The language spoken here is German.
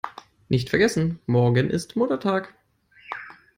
Nicht vergessen: Morgen ist Muttertag!